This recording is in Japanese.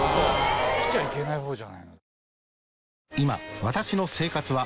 来ちゃいけない方じゃないの？